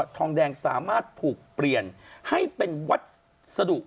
ทองแดงสามารถถูกเปลี่ยนให้เป็นวัสดุ